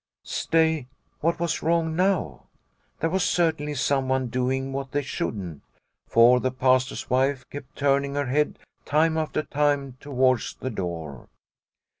Stay, what was wrong now ? There was certainly someone doing what they shouldn't, for the Pastor's wife kept turning her head time after time towards the door.